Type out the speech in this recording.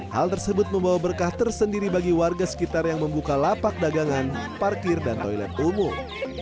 hal tersebut membawa berkah tersendiri bagi warga sekitar yang membuka lapak dagangan parkir dan toilet umum